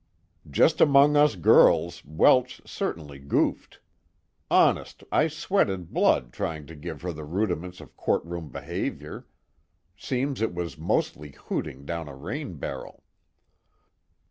"Just among us girls, Welsh certainly goofed. Honest, I sweated blood trying to give her the rudiments of courtroom behavior. Seems it was mostly hooting down a rain barrel."